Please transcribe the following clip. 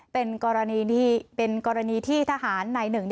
เป็นกรณีที่ทหารไหนหนึ่ง